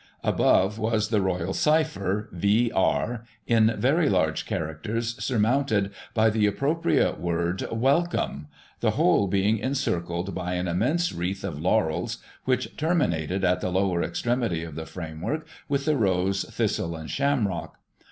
Above was the Royal cypher, V.R, in very large characters, siurmoimted by the appropriate word "Welcome," the whole being encircled by an immense wreath of laurels, which terminated, at the lower extremity of the framework, with the rose, thistle and shamrock.